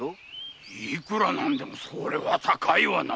いくら何でもそれは高いわな。